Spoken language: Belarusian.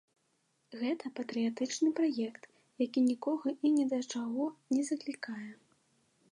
Гэта патрыятычны праект, які нікога і ні да чаго не заклікае.